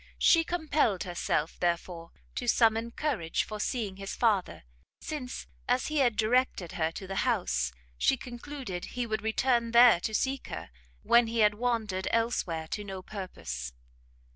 She compelled herself, therefore, to summon courage for seeing his father, since, as he had directed her to the house, she concluded he would return there to seek her, when he had wandered elsewhere to no purpose.